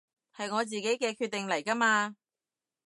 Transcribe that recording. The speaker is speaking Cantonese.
係我自己嘅決定嚟㗎嘛